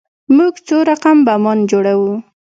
موږ څو رقم بمان جوړوو.